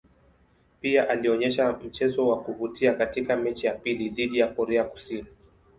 Pia alionyesha mchezo wa kuvutia katika mechi ya pili dhidi ya Korea Kusini.